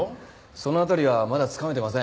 その辺りはまだ掴めてません。